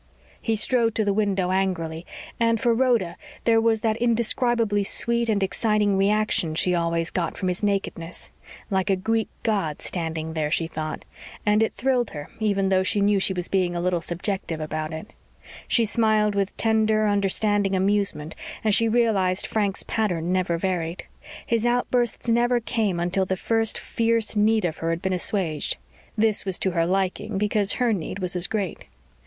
He strode to the window angrily and, for Rhoda, there was that indescribably sweet and exciting reaction she always got from his nakedness. Like a Greek god standing there, she thought, and it thrilled her even though she knew she was being a little subjective about it. She smiled with tender, understanding amusement as she realized Frank's pattern never varied. His outbursts never came until the first fierce need of her had been assuaged; this was to her liking because her need was as great.